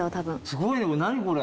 すごいね何これ。